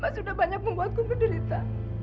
mas udah banyak membuatku menderita